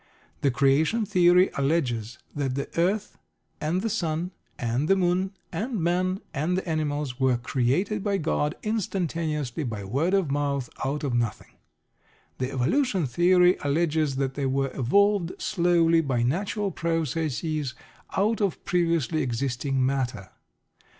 The creation theory alleges that the earth, and the sun, and the moon, and man, and the animals were "created" by God, instantaneously, by word of mouth, out of nothing. The evolution theory alleges that they were evolved, slowly, by natural processes out of previously existing matter.